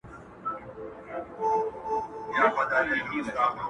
د منصور د حق نارې ته غرغړه له کومه راوړو٫